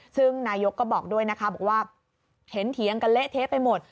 ซึ่งนายกก็บอกด้วยนะคะบอกว่าเห็นเถียงกันเละเทะไปหมด